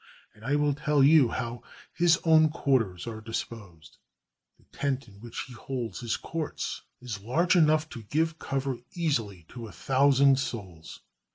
And I will tell you how his own quarters are disposed. The tent in which he holds his courts is large enough to give cover easily to a thousand souls.